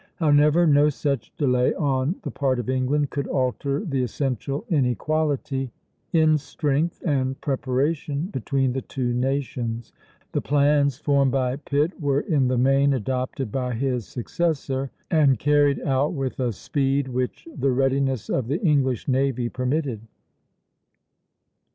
However, no such delay on the part of England could alter the essential inequality, in strength and preparation, between the two nations. The plans formed by Pitt were in the main adopted by his successor, and carried out with a speed which the readiness of the English navy permitted.